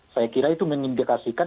saya kira itu mengindikasikan